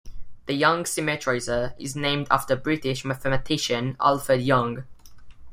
The Young symmetrizer is named after British mathematician Alfred Young.